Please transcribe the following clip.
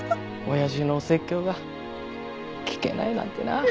親父のお説教が聞けないなんてな。